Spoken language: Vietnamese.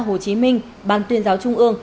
hồ chí minh ban tuyên giáo trung ương